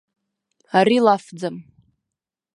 Ари лафӡам.